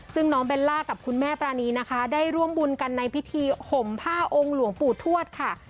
ซึ่งน้องเบลล่ากับคุณแม่ปรานีนะคะได้ร่วมบุญกันในพิธีห่มผ้าองค์หลวงปู่ทวดค่ะ